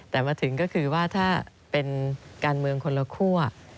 แต่มาถึงก็คือว่าถ้าเป็นการเมืองคนละคั่ว